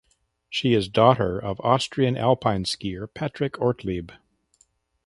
She is daughter of Austrian alpine skier Patrick Ortlieb.